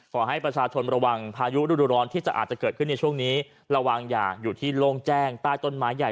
ขอให้ประชาชนระวังพายุฤดูร้อนที่จะอาจจะเกิดขึ้นในช่วงนี้ระวังอย่าอยู่ที่โล่งแจ้งใต้ต้นไม้ใหญ่